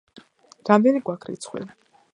რამდენი გვაქ რიცხვი?